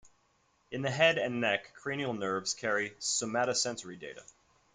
In the head and neck, cranial nerves carry somatosensory data.